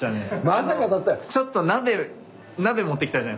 まさかだった。